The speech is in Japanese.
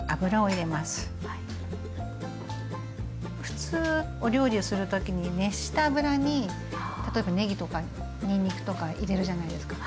普通お料理をする時に熱した油に例えばねぎとかにんにくとか入れるじゃないですか。